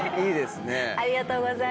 ありがとうございます。